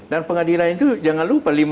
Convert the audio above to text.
dan pengadilan itu jangan lupa